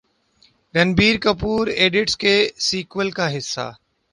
Ranbir Kapoor idiots کے sequel کا حصہ